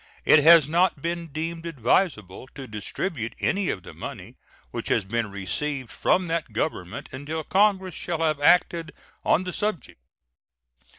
It has not been deemed advisable to distribute any of the money which has been received from that Government until Congress shall have acted on the subject.